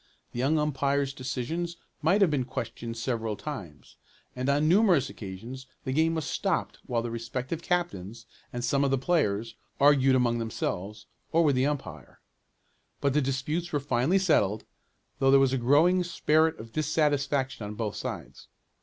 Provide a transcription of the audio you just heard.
The young umpire's decisions might have been questioned several times, and on numerous occasions the game was stopped while the respective captains, and some of the players, argued among themselves, or with the umpire. But the disputes were finally settled, though there was a growing spirit of dissatisfaction on both sides.